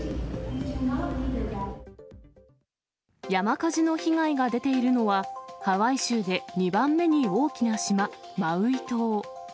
山火事の被害が出ているのは、ハワイ州で２番目に大きな島、マウイ島。